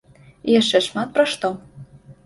І яшчэ шмат пра што.